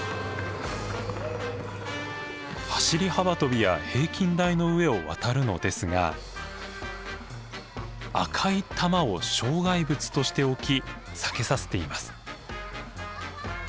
走り幅跳びや平均台の上を渡るのですが赤い球を障害物として置き避けさせています。